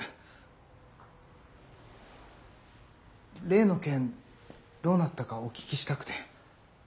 例の件どうなったかお聞きしたくて。